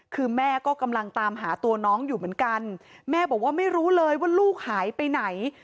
คือแม่ก็กำลังตามหาตัวน้องอยู่เหมือนกันแม่บอกว่าไม่รู้เลยว่าลูกหายไปไหน